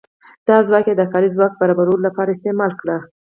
دا ځواک یې د کاري ځواک برابرولو لپاره استعمال کړ.